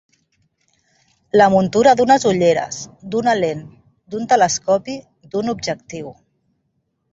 La muntura d'unes ulleres, d'una lent, d'un telescopi, d'un objectiu.